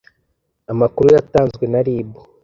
Amakuru yatanzwe na RIB